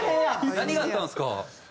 何があったんですか？